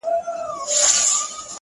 مينه كي هېره!!